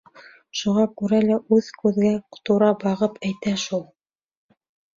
Шуға күрә лә ул күҙгә тура бағып әйтә лә шул!